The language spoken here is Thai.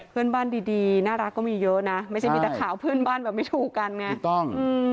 เพื่อนบ้านดีน่ารักก็มีเยอะนะไม่ใช่มีแต่ข่าวเพื่อนบ้านแบบไม่ถูกกันไงถูกต้อง